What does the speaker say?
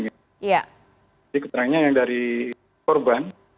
jadi keterangannya yang dari korban